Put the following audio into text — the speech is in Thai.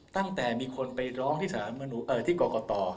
ตั้งแต่มีคนไปร้องที่กรกต